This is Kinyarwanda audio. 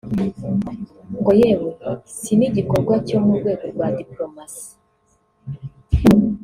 ngo yewe si n’igikorwa cyo mu rwego rwa diplomasi